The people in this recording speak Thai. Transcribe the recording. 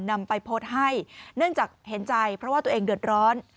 นำไปโพสต์ให้เนื่องจากเห็นใจเพราะว่าตัวเองเดือดร้อน